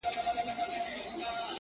ستنيدل به په بېغمه زړه تر کوره؛